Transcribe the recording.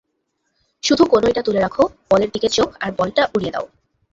শুধু কনুইটা তুলে রাখো, বলের দিকে চোখ, আর বলটা উড়িয়ে দাও।